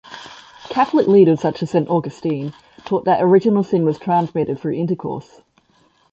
Catholic leaders, such as Saint Augustine, taught that Original Sin was transmitted through intercourse.